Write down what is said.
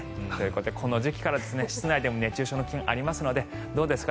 この時期から室内でも熱中症の危険性がありますのでどうですか？